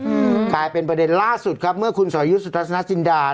อืมกลายเป็นประเด็นล่าสุดครับเมื่อคุณสอยุทธนาจินดา